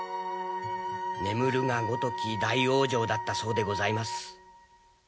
眠るがごとき大往生だったそうでございます。